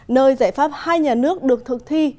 nơi giải pháp hai nhà nước được thực thi